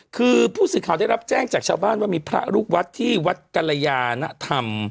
คือผู้สื่อข่าวได้รับแจ้งจากชาวบ้านว่ามีพระลูกวัดที่วัดกรยานธรรม